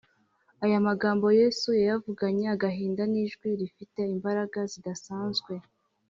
aya magambo yesu yayavuganye agahinda n’ijwi rifite imbaraga zidasanzwe